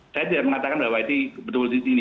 saya juga mengatakan bahwa itu betul betul di sini